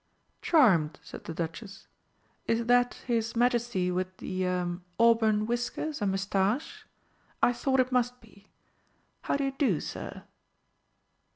"Charmed," said the Duchess. "Is that His Majesty with the er auburn whiskers and moustache? I thought it must be.... How d'you do, sir?"